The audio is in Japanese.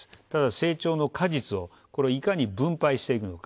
成長の果実をこれをいかに分配していくのか。